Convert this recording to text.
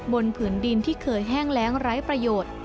ผืนดินที่เคยแห้งแรงไร้ประโยชน์